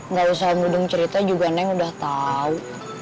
nggak usah om dudung cerita juga neng udah tahu